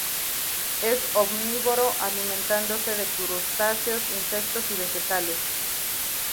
Es omnívoro, alimentándose de crustáceos, insectos y vegetales.